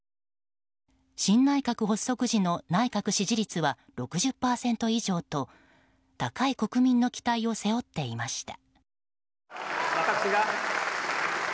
新内閣の発足時の内閣支持率は６０％以上と高い国民の期待を背負っていました。